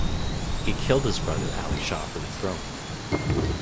He killed his brother Ali Shah for the throne.